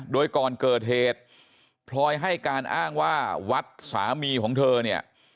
โดยก่อนเกิดเหตุพลอยให้การอ้างว่าวัดสามีของเธอเนี่ย